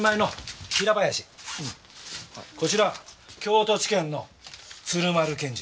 こちら京都地検の鶴丸検事。